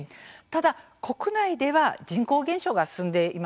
ただ国内では人口減少が進んでいますよね。